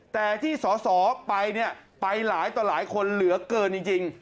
แต่ที่สอสอไปเนี่ยไปหลายต่อหลายคนเหลือเกินจริง